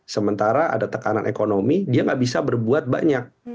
sementara ada tekanan ekonomi dia nggak bisa berbuat banyak